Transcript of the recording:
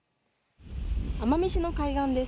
奄美市の海岸です。